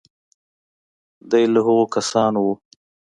دی له هغو کسانو و.